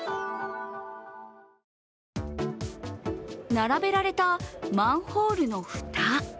並べられたマンホールの蓋。